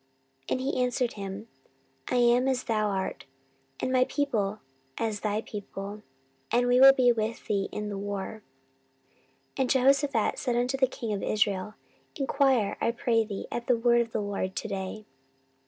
And he answered him, I am as thou art, and my people as thy people; and we will be with thee in the war. 14:018:004 And Jehoshaphat said unto the king of Israel, Enquire, I pray thee, at the word of the LORD to day.